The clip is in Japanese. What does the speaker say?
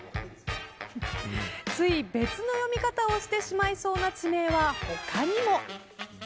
つい別の読み方をしてしまいそうな地名は他にも。